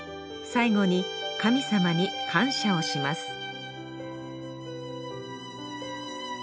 最後に神様に感謝をします